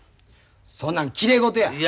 そんなんきれい事や。